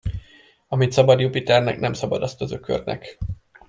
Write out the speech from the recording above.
Amit szabad Jupiternek, nem szabad azt az ökörnek.